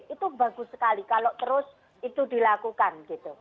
itu bagus sekali kalau terus itu dilakukan gitu